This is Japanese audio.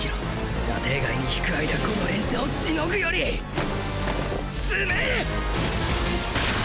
射程外に退く間この連射を凌ぐより詰める！